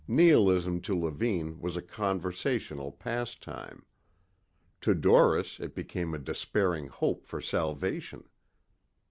Nihilism to Levine was a conversational pastime. To Doris it became a despairing hope for salvation.